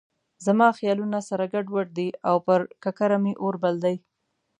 زما خیالونه سره ګډ وډ دي او پر ککره مې اور بل دی.